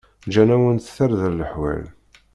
Gǧan-awent-d tarda leḥwal.